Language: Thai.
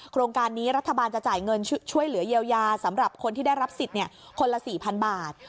โครงการนี้รัฐบาลจะจ่ายเงินช่วยเหลือเยียวยาสำหรับคนที่ได้รับสิทธิ์คนละ๔๐๐๐บาท